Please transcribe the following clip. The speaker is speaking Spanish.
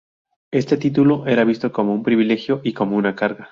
Este título era visto como un privilegio y como una carga.